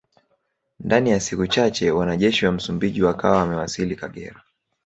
Ndani ya siku chache wanajeshi wa Msumbiji wakawa wamewasili Kagera